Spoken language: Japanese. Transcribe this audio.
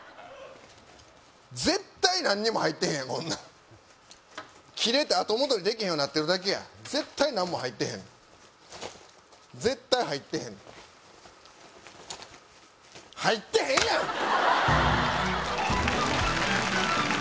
絶対何にも入ってへんやんこんなんキレて後戻りできへんようになってるだけや絶対何も入ってへん絶対入ってへん入ってへんやん！